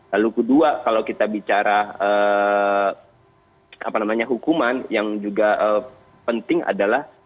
lalu kedua kalau kita bicara hukuman yang juga penting adalah